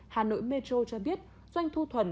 hà nội metro cho biết doanh thu thuần